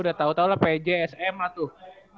udah tau taulah pj sm lah tuh